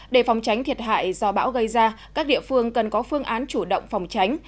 để phòng tránh thiệt hại do bão gây ra các địa phương cần có phương án chủ động phòng tránh